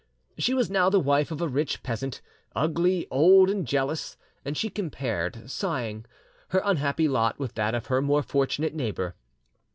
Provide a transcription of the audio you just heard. She was now the wife of a rich peasant, ugly, old, and jealous, and she compared, sighing, her unhappy lot with that of her more fortunate neighbour.